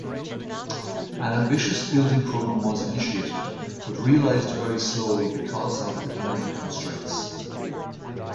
An ambitious building program was initiated, but realised very slowly because of economic constraints.